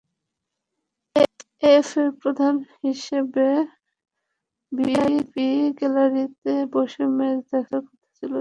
AFA প্রধান হিসেবে VIP গ্যালারিতে বসে ম্যাচ দেখার কথা ছিল তাঁর।